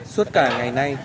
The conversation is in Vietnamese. suốt cả ngày nay